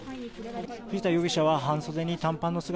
藤田容疑者は半袖に短パンの姿。